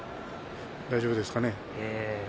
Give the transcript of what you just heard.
大丈夫ですかね。